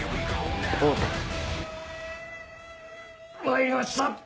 参りました。